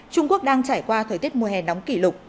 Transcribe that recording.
trung quốc đang trải qua thời tiết mùa hè nóng kỷ lục